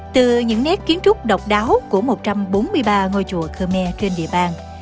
từ những nét kiến trúc độc đáo của một trăm bốn mươi ba ngôi chùa khmer trên địa bàn